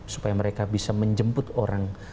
supaya mereka bisa menjemput orang